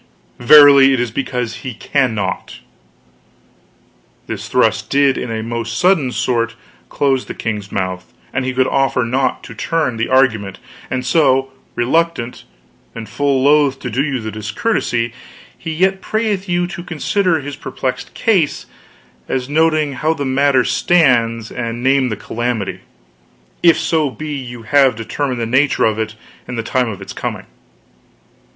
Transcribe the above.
Verily it is because he cannot.' This thrust did in a most sudden sort close the king's mouth, and he could offer naught to turn the argument; and so, reluctant, and full loth to do you the discourtesy, he yet prayeth you to consider his perplexed case, as noting how the matter stands, and name the calamity if so be you have determined the nature of it and the time of its coming.